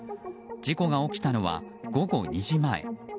事故が起きたのは午後２時前。